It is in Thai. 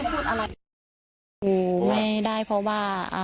กลัวไม่ได้เพราะว่า